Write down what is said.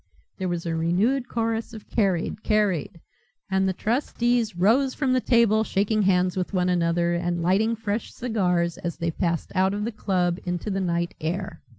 There was a renewed chorus of "Carried, carried," and the trustees rose from the table shaking hands with one another, and lighting fresh cigars as they passed out of the club into the night air.